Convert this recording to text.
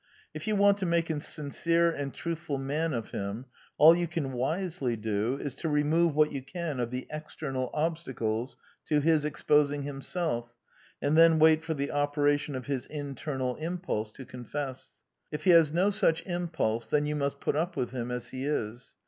If you want to make a sincere and truthful man of him, all you can wisely do is to remove what you can of the external obstacles to his exposing himself, and then wait for the operation of his internal impulse to confess. If he has no such impulse, then you must put up with him as he is.